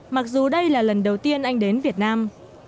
mặc dù đây là lần đầu tiên anh đến việt nam